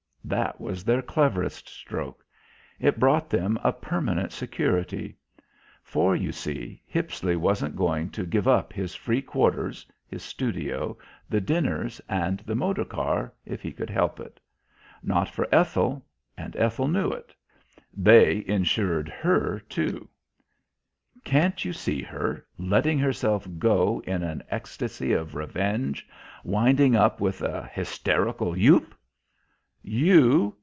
That was their cleverest stroke. It brought them a permanent security. For, you see, Hippisley wasn't going to give up his free quarters, his studio, the dinners and the motor car, if he could help it. Not for Ethel. And Ethel knew it. They insured her, too. Can't you see her, letting herself go in an ecstasy of revenge, winding up with a hysterical youp? "You?